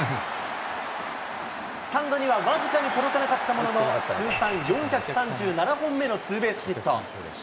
スタンドには僅かに届かなかったものの、通算４３７本目のツーベースヒット。